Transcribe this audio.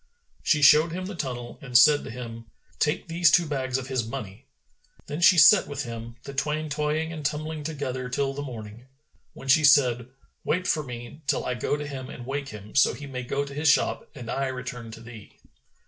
She showed him the tunnel and said to him, "Take these two bags of his money." Then she sat with him, the twain toying and tumbling together till the morning, when she said, "Wait for me, till I go to him and wake him, so he may go to his shop, and I return to thee."